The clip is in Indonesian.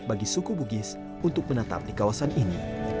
bagi suku bugis untuk menatap di kawasan ini